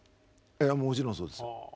ええもちろんそうです。